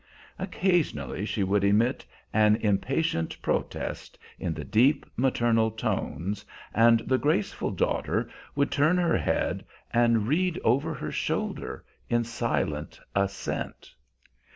Occasionally she would emit an impatient protest in the deep, maternal tones, and the graceful daughter would turn her head and read over her shoulder in silent assent.